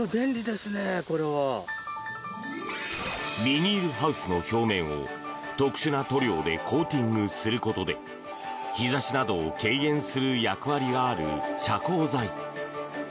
ビニールハウスの表面を特殊な塗料でコーティングすることで日差しなどを軽減する役割がある遮光剤。